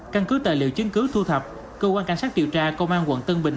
căn cứ tài liệu chứng cứ thu thập cơ quan cảnh sát điều tra công an quận tân bình